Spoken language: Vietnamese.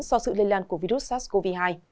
do sự lây lan của virus sars cov hai